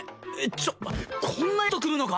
ちょっこんなヤツと組むのか？